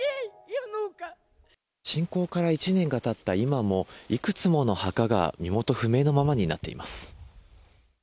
侵攻から１年が経った今もいくつもの墓が身元不明のままになっています。